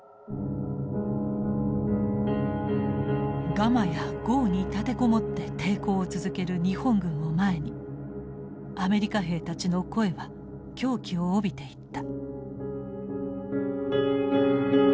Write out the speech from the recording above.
ガマや壕に立て籠もって抵抗を続ける日本軍を前にアメリカ兵たちの声は狂気を帯びていった。